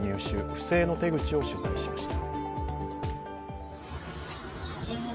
不正の手口を取材しました。